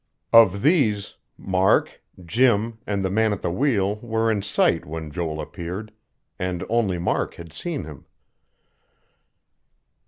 Of these, Mark, Jim, and the man at the wheel were in sight when Joel appeared; and only Mark had seen him.